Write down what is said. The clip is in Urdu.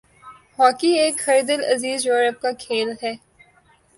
ہاکی ایک ہردلعزیز یورپ کا کھیل ہے